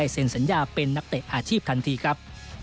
เซ็นสัญญาเป็นนักเตะอาชีพทันทีครับ